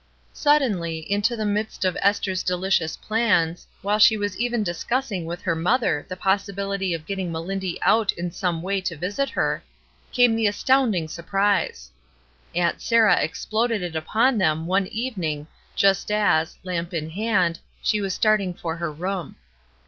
Suddenly, into the midst of Esther's delicious plans, while she was even discussing with her mother the possibiUty of getting Melindy out in some way to visit her, came the astounding surprise. Aunt Sarah exploded it upon them one evening just as, lamp m hand, she was starting for her room.